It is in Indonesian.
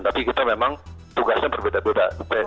tapi kita memang tugasnya berbeda beda